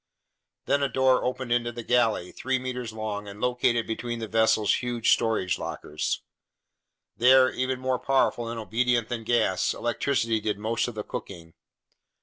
Then a door opened into the galley, 3 meters long and located between the vessel's huge storage lockers. There, even more powerful and obedient than gas, electricity did most of the cooking.